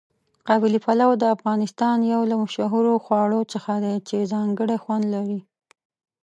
قابلي پلو د افغانستان یو له مشهورو خواړو څخه دی چې ځانګړی خوند لري.